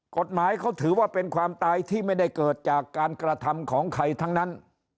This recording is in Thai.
กฎหมายเขาถือว่าเป็นความตายที่ไม่ได้เกิดจากการกระทำของใครทั้งนั้น